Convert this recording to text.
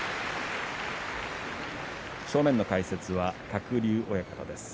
正面の解説は鶴竜親方です。